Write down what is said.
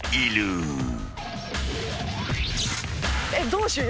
どうしよう？